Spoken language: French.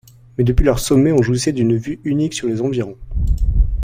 Mais depuis leur sommet, on jouissait d'une vue unique sur les environs.